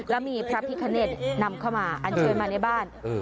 และมีพระพิเชษนำเข้ามาอัญชามาในบ้าน